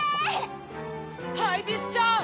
ハイビスちゃん！